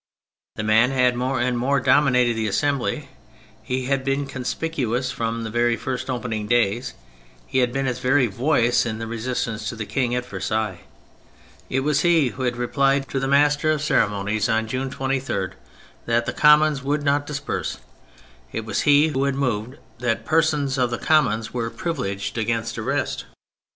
This man had more and more dominated the Assembly; he had been conspicuous from its first opening days; he had been its very voice in the resistance to the King at Versailles ; it was he who had replied to the Master of THE PHASES 103 Ceremonies on June 23, that the Commons would not disperse; it was he who had moved that the persons of the Commons were privi leged against arrest.